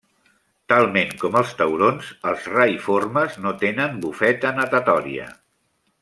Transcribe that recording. Talment com els taurons, els raïformes no tenen bufeta natatòria.